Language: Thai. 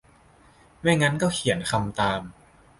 ไม่งั้นก็เขียนคำตาม